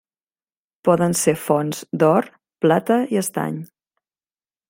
Poden ser fonts d'or, plata i estany.